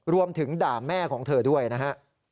รวมถึงด่าแม่ของเธอด้วยนะฮะ